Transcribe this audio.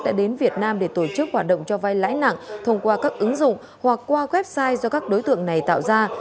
đã đến việt nam để tổ chức hoạt động cho vai lãi nặng thông qua các ứng dụng hoặc qua website do các đối tượng này tạo ra